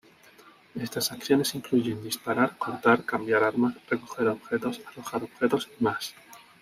Estas acciones incluyen disparar, cortar, cambiar armas, recoger objetos, arrojar objetos y más.